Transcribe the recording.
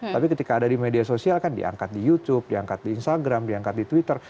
tapi ketika ada di media sosial kan diangkat di youtube diangkat di instagram diangkat di twitter